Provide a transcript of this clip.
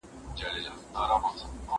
زه پرون مېوې وچولې!؟